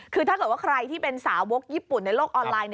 คือถ้าเกิดว่าใครที่เป็นสาวกญี่ปุ่นในโลกออนไลน์